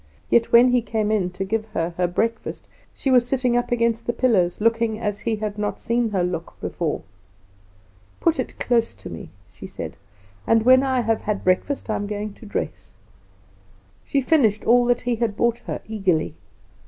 Yet, when he came in to give her her breakfast, she was sitting up against the pillows, looking as he had not seen her look before. "Put it close to me," she said, "and when I have had breakfast I am going to dress." She finished all he had brought her eagerly.